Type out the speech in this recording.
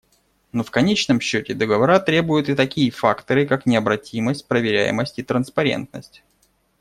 Но в конечном счете договора требуют и такие факторы, как необратимость, проверяемость и транспарентность.